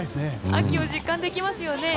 秋を実感できますよね。